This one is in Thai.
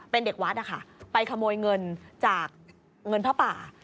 เป็นเด็กวัดนะคะไปขโมยเงินจากเงินพระป่า